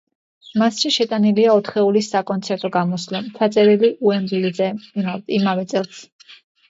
მასში შეტანილია ოთხეულის საკონცერტო გამოსვლა, ჩაწერილი უემბლიზე იმავე წელს.